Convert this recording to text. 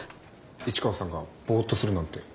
市川さんがぼっとするなんて。